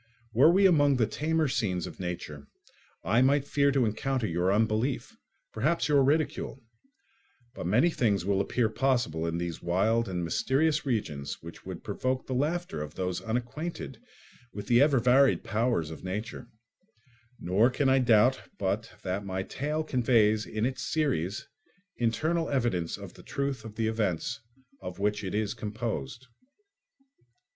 Were we among the tamer scenes of nature I might fear to encounter your unbelief, perhaps your ridicule; but many things will appear possible in these wild and mysterious regions which would provoke the laughter of those unacquainted with the ever varied powers of nature; nor can I doubt but that my tale conveys in its series internal evidence of the truth of the events of which it is composed."